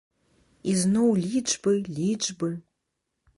І зноў лічбы, лічбы.